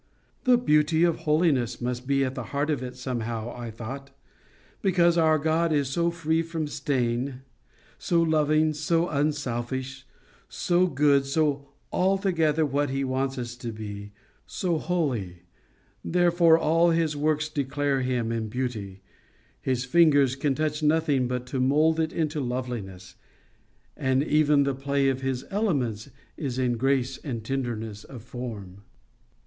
The beauty of holiness must be at the heart of it somehow, I thought. Because our God is so free from stain, so loving, so unselfish, so good, so altogether what He wants us to be, so holy, therefore all His works declare Him in beauty; His fingers can touch nothing but to mould it into loveliness; and even the play of His elements is in grace and tenderness of form.